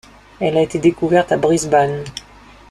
Elle a été découverte à Brisbane.